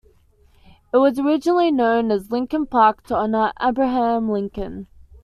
It was originally known as Lincoln Park to honor Abraham Lincoln.